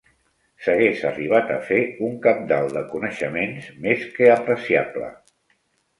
...s'hagués arribat a fer un cabdal de coneixements més que apreciable.